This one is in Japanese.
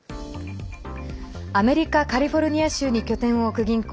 アメリカ・カリフォルニア州に拠点を置く銀行